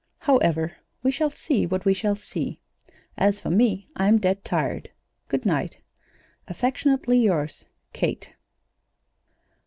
"However, we shall see what we shall see. As for me, I'm dead tired. Good night. "Affectionately yours, "KATE."